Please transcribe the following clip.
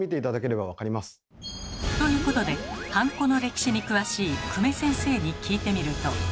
ということでハンコの歴史に詳しい久米先生に聞いてみると。